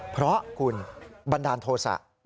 เพราะคุณบันดาลโทษะ